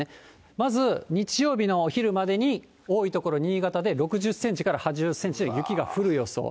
まず、日曜日のお昼までに多い所、新潟で６０センチから８０センチの雪が降る予想。